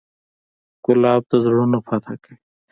ګلاب د زړونو فتحه کوي.